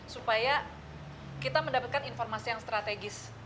supaya kita mendapatkan informasi yang strategis